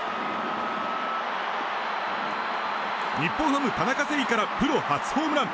日本ハム、田中正義からプロ初ホームラン。